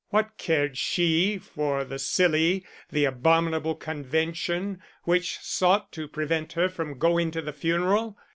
What cared she for the silly, the abominable convention, which sought to prevent her from going to the funeral?